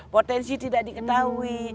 potensi tidak diketahui